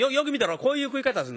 こういう食い方すんだ。